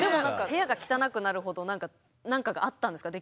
部屋が汚くなるほどなんかがあったんですか？